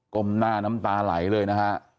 มหน้าน้ำตาไหลเลยนะฮะ